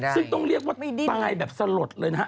ซึ่งต้องเรียกว่าตายแบบสลดเลยนะฮะ